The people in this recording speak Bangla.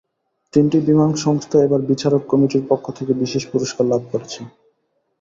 তিনটি বিমান সংস্থা এবার বিচারক কমিটির পক্ষ থেকে বিশেষ পুরস্কার লাভ করেছে।